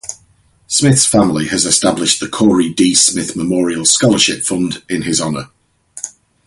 Smith's family has established the Corey D. Smith Memorial Scholarship Fund in his honor.